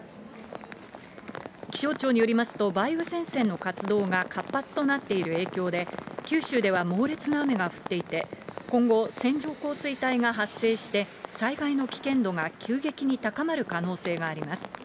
気象庁によりますと、梅雨前線の活動が活発となっている影響で、九州では猛烈な雨が降っていて、今後、線状降水帯が発生して、災害の危険度が急激に高まる可能性があります。